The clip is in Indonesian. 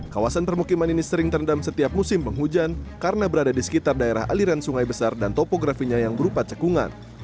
kawasan permukiman ini sering terendam setiap musim penghujan karena berada di sekitar daerah aliran sungai besar dan topografinya yang berupa cekungan